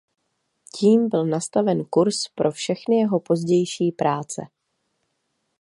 Tím byl nastaven kurz pro všechny jeho pozdější práce.